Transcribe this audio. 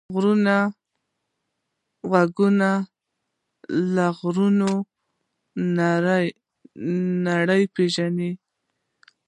غوږونه له غږونو نړۍ پېژني